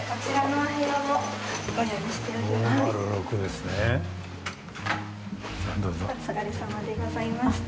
お疲れさまでございました。